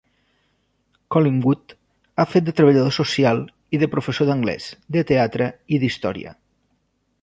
Collingwood ha fet de treballador social i de professor d'anglès, de teatre i d'història.